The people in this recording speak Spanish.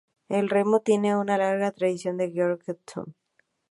El remo tiene una larga tradición el Georgetown.